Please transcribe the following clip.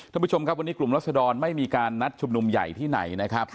ท่านผู้ชมครับวันนี้กลุ่มรัศดรไม่มีการนัดชุมนุมใหญ่ที่ไหนนะครับ